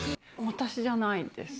私じゃないです。